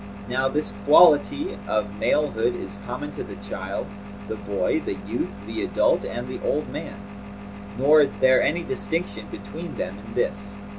Now this quality of male hood is common to the child, the boy, the youth, the adult and the old man; nor is there any distinction between them in this.